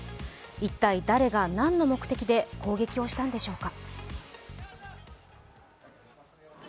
一体誰が何の目的で攻撃をしたのでしょうか。